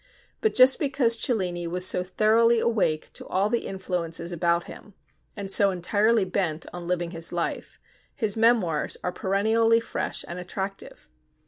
But just because Cellini was so thoroughly awake to all the influences about him, and so entirely bent on living his life, his 'Memoirs' are perennially fresh and attractive.